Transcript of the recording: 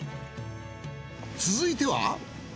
続いては。